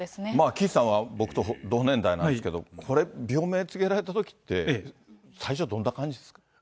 岸さんは僕と同年代なんですけど、これ、病名告げられたときって、最初、どんな感じですか？